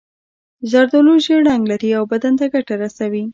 زردالو ژېړ رنګ لري او بدن ته ګټه رسوي.